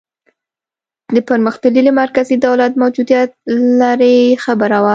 د پرمختللي مرکزي دولت موجودیت لرې خبره وه.